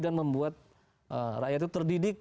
dan membuat rakyat itu terdidik